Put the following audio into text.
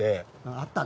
あったな